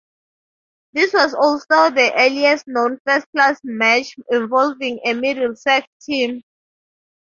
This was also the earliest known first-class match involving a Middlesex team.